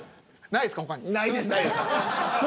ないです。